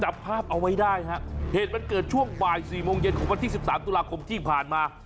จับภาพเอาไว้ได้ฮะเหตุมันเกิดช่วงบ่ายสี่โมงเย็นของวันที่สิบสามตุลาคมที่ผ่านมา